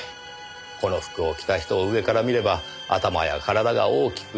この服を着た人を上から見れば頭や体が大きく見え